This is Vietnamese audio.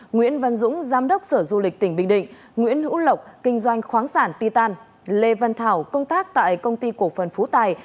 nguyễn văn dũng giám đốc sở du lịch tỉnh bình định nguyễn hữu lộc kinh doanh khoáng sản ti tàn lê văn thảo công tác tại công ty cổ phần phú tài